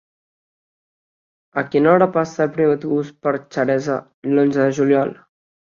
A quina hora passa el primer autobús per Xeresa l'onze de juliol?